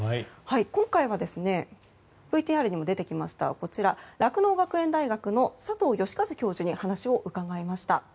今回はＶＴＲにも出てきました酪農学園大学の佐藤喜和教授に話を伺いました。